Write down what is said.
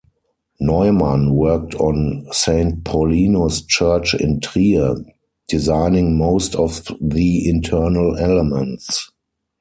Neumann worked on Saint Paulinus' Church in Trier, designing most of the internal elements.